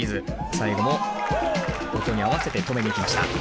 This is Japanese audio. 最後も音に合わせて止めにいきました。